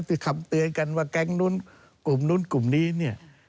ที่คำเตือนกันว่าแก๊งนู้นกลุ่มนู้นกลุ่มนี้เนี่ย